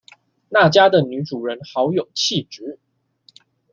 那家的女主人好有氣質